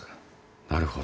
なるほど。